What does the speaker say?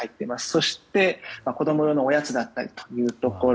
そして、子供用のおやつだったりというところ。